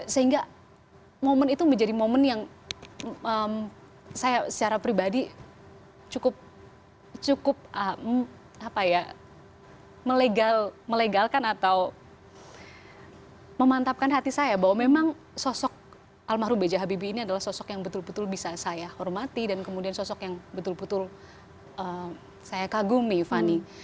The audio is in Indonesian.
sehingga momen itu menjadi momen yang saya secara pribadi cukup melegalkan atau memantapkan hati saya bahwa memang sosok almarhum b j habibie ini adalah sosok yang betul betul bisa saya hormati dan kemudian sosok yang betul betul saya kagumi fani